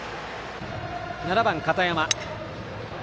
７番、片山。